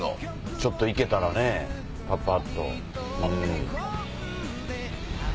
ちょっと行けたらねぱぱっと。